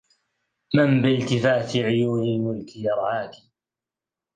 من بالتفاتِ عيونِ الملك يَرعاك